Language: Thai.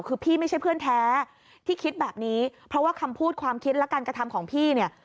คือพี่ไม่ใช่เพื่อนแท้ที่คิดแบบนี้เพราะว่าคำพูดความคิดและการกระทำของพี่เนี่ย